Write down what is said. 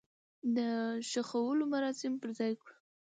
د خښولو مراسم په ځاى کړو.